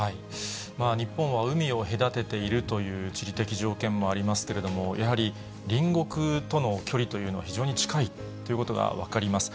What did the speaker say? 日本は海を隔てているという地理的条件もありますけれども、やはり隣国との距離というのは、非常に近いということが分かります。